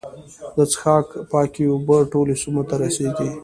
د څښاک پاکې اوبه ټولو سیمو ته رسیږي.